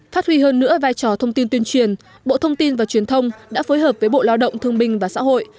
phát huy hơn nữa vai trò thông tin tuyên truyền bộ thông tin và truyền thông đã phối hợp với bộ lao động thương binh và xã hội